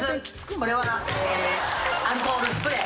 これはアルコールスプレー。